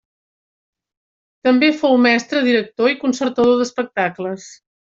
També fou mestre director i concertador d'espectacles.